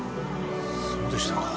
そうでしたか。